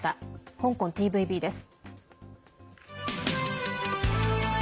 香港ＴＶＢです。